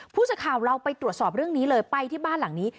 ผู้สื่อข่าวเราไปตรวจสอบเรื่องนี้เลยไปที่บ้านหลังนี้